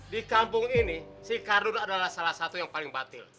di kampung ini si kardul adalah salah satu yang paling batil